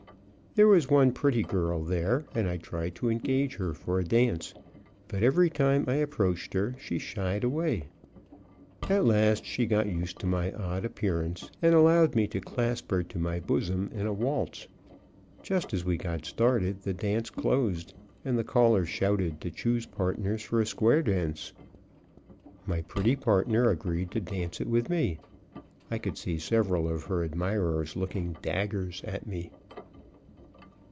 There was one pretty girl there, and I tried to engage her for a dance, but every time I approached her she shied away; at last, she got used to my odd appearance, and allowed me to clasp her to my bosom in a waltz. Just as we got started, the dance closed, and the caller shouted to choose partners for a square dance. My pretty partner agreed to dance it with me; I could see several of her admirers looking "daggers" at me.